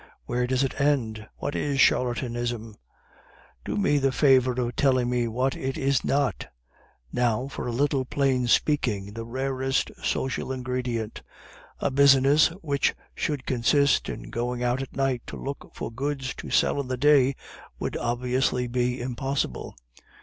where does it end? what is charlatanism? do me the kindness of telling me what it is not. Now for a little plain speaking, the rarest social ingredient. A business which should consist in going out at night to look for goods to sell in the day would obviously be impossible.